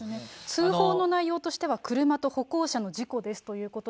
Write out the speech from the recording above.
通報の内容としては、車と歩行者の事故です